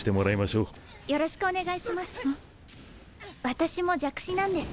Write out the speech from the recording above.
私も弱視なんです。